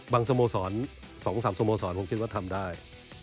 สโมสร๒๓สโมสรผมคิดว่าทำได้